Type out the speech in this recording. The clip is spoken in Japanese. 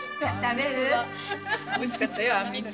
おいしかったよあんみつ。